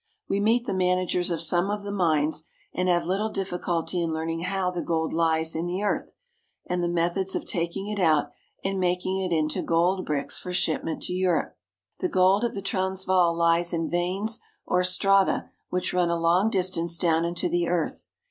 We meet the managers of some of the mines, and have little difficulty in learning how the gold lies in the earth and the methods of taking it out and making it into gold bricks for shipment to Europe. The gold of the Transvaal lies in veins or strata which run a long distance down into the earth.